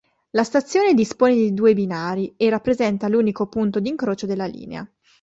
La stazione dispone di due binari, e rappresenta l'unico punto di incrocio della linea.